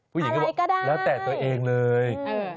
เพื่อหยิบว่าณแต่ตัวเองเลยอะไรก็ได้